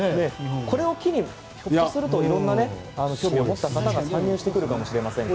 これを機にひょっとすると色んな、興味を持った方が参入してくるかもしれませんから。